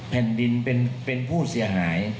แผ่นดินเป็นผู้เสียหาย